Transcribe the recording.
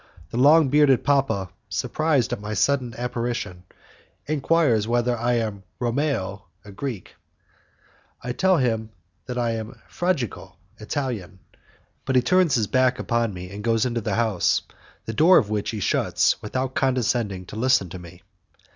The long bearded papa, surprised at my sudden apparition, enquires whether I am Romeo (a Greek); I tell him that I am Fragico (Italian), but he turns his back upon me and goes into his house, the door of which he shuts without condescending to listen to me.